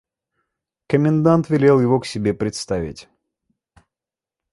Комендант велел его к себе представить.